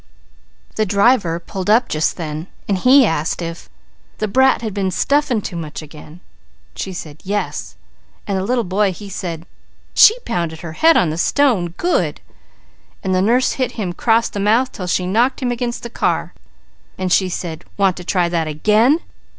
The driver pulled up just then and he asked 'if the brat had been stuffin' too much again?' She said, 'yes,' and the littlest boy he said, 'she pounded her head on the stone, good,' and the nurse hit him 'cross the mouth till she knocked him against the car, and she said, 'Want to try that again?